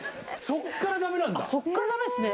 そこからダメですね。